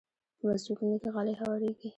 په مسجدونو کې غالۍ هوارېږي.